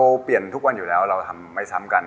เปลี่ยนทุกวันอยู่แล้วเราทำไม่ซ้ำกัน